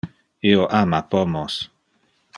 Io ama pomos.